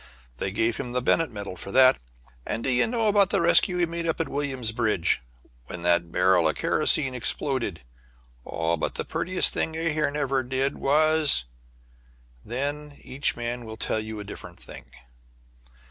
They gave him the Bennett medal for that. And d' ye know about the rescue he made up in Williamsbridge, when that barrel of kerosene exploded? Oh, but the prettiest thing Ahearn ever did was Then each man will tell you a different thing.